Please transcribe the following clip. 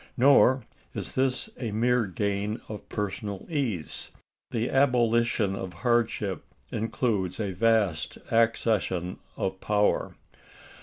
Nor is this a mere gain of personal ease. The abolition of hardship includes a vast accession of power.